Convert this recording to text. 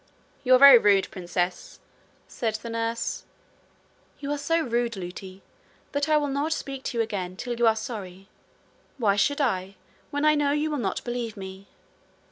'You are very rude, princess,' said the nurse. 'You are so rude, Lootie, that I will not speak to you again till you are sorry. Why should I, when I know you will not believe me?'